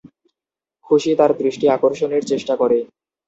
খুশি তার দৃষ্টি আকর্ষণের চেষ্টা করে।